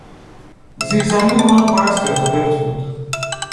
زیرزمین ما پر از خرت و پرت بود.